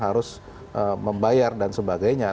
harus membayar dan sebagainya